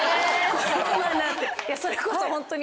それこそホントに。